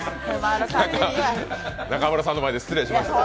中丸さんの前で失礼しました。